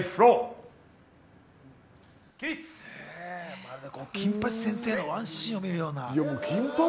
まるで『金八先生』のワンシーンを見るような。